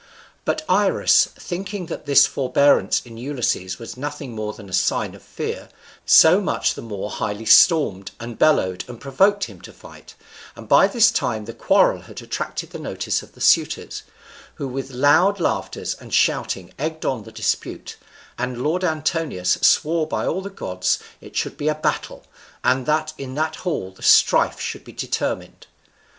But Irus, thinking that this forbearance in Ulysses was nothing more than a sign of fear, so much the more highly stormed, and bellowed, and provoked him to fight; and by this time the quarrel had attracted the notice of the suitors, who with loud laughters and shouting egged on the dispute, and lord Antinous swore by all the gods it should be a battle, and that in that hall the strife should be determined.